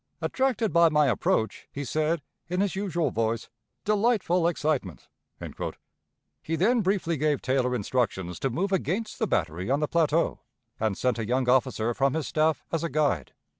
Attracted by my approach, he said, in his usual voice, 'Delightful excitement.'" He then briefly gave Taylor instructions to move against the battery on the plateau, and sent a young officer from his staff as a guide.